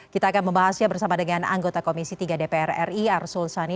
kita akan membahasnya bersama dengan anggota komisi tiga dpr ri arsul sani